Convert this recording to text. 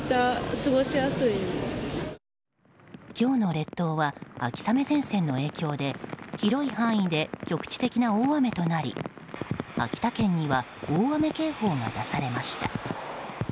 今日の列島は秋雨前線の影響で広い範囲で局地的な大雨となり秋田県には大雨警報が出されました。